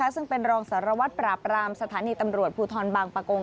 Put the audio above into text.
ซึ่งเป็นรองสารวัตรปราบรามสถานีตำรวจภูทรบางประกง